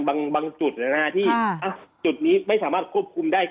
บางจุดในหน้าที่จุดนี้ไม่สามารถทบคุมได้